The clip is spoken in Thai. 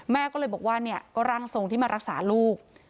แม่ก็เลยบอกว่าเนี่ยก็ร่างทรงที่มารักษาลูก